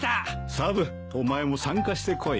サブお前も参加してこい。